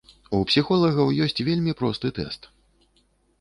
У псіхолагаў ёсць вельмі просты тэст.